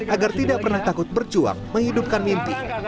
agar tidak pernah takut berjuang menghidupkan mimpi